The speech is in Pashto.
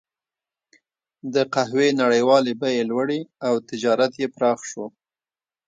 د قهوې نړیوالې بیې لوړې او تجارت یې پراخ شو.